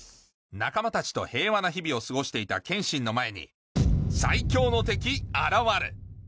仲間たちと平和な日々を過ごしていた剣心の前に最狂の敵現る